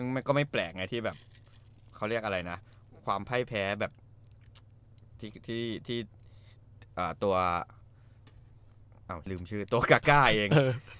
มันก็ไม่แปลกไงที่แบบเขาเรียกอะไรนะความไพ่แพ้แบบที่ตัวลืมชื่อตัวกาก้าเอง